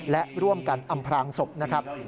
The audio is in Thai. และร่วมกันอำพลางศพนะครับ